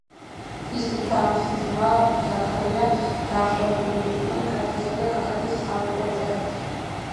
ის და მისი ძმა ზაქარია დაახლოებული იყვნენ ქართლისა და კახეთის სამეფო ოჯახებთან.